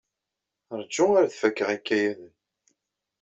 Ṛju ar d fakeɣ ikayaden.